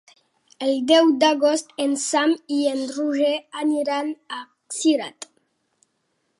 El deu d'agost en Sam i en Roger aniran a Cirat.